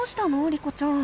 リコちゃん。